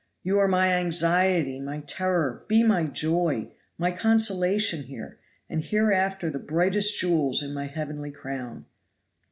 You are my anxiety, my terror be my joy, my consolation here, and hereafter the brightest jewels in my heavenly crown."